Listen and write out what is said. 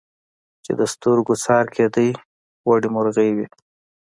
چي د سترګو څار کېدی غوړي مرغې وې